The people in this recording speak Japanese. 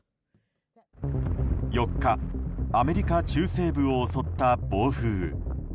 ４日、アメリカ中西部を襲った暴風雨。